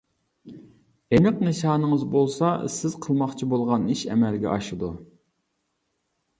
ئېنىق نىشانىڭىز بولسا سىز قىلماقچى بولغان ئىش ئەمەلگە ئاشىدۇ.